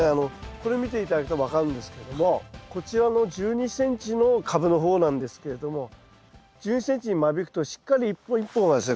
これを見て頂くと分かるんですけどもこちらの１２ｃｍのカブの方なんですけれども１２ｃｍに間引くとしっかり一本一本がですね